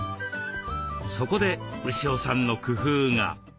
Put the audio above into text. そこで牛尾さんの工夫が。